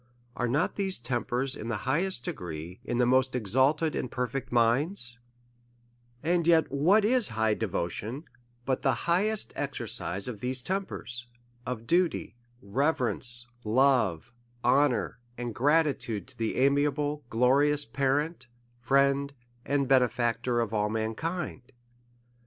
Are not these tempers, in the highest degree, in the most ex alted and perfect minds '{ And yet what is high de votion, but the highest exercise of these tempers, of duty, reverence, love, honour, and gratitude to the amiable, glorious parent, friend, and benefactor of all mankind?